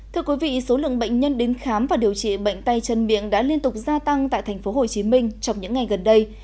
thưa quý vị số lượng bệnh nhân đến khám và điều trị bệnh tay chân miệng đã liên tục gia tăng tại tp hcm trong những ngày gần đây